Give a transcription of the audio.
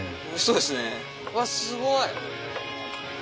うわすごい。